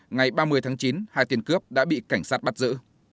ngày ba mươi tháng chín hai tiền cướp đã bị cảnh sát bắt giữ